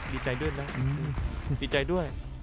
ดีใจด้วยนะดีใจด้วย